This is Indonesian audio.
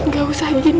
gak usah gini